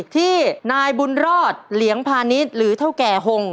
ที่นายบุญรอดเหลียงพาณิชย์หรือเท่าแก่หง